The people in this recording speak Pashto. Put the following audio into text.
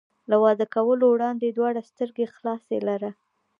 له واده کولو وړاندې دواړه سترګې خلاصې لره.